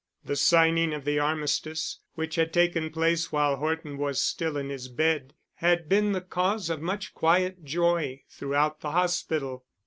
The signing of the armistice, which had taken place while Horton was still in his bed, had been the cause of much quiet joy throughout the hospital.